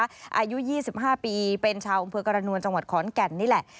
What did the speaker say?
อายุ๒๕ปีเป็นชาวอำเภอกรณวลจังหวัดขอนแก่นนี่แหละ